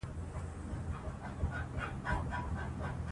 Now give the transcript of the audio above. ازادي راډیو د کلتور لپاره عامه پوهاوي لوړ کړی.